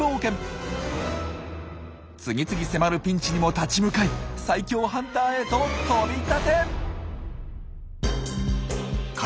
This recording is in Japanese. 次々迫るピンチにも立ち向かい最強ハンターへと飛び立て！